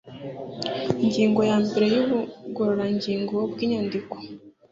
ingingo ya mbere y ubugororangingo bw inyandiko